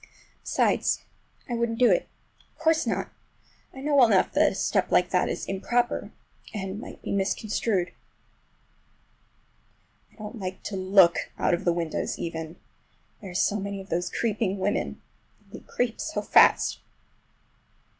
Besides I wouldn't do it. Of course not. I know well enough that a step like that is improper and might be misconstrued. I don't like to look out of the windows even—there are so many of those creeping women, and they creep so fast.